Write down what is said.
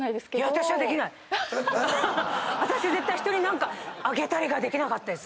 私は絶対人に何かあげたりができなかったですね。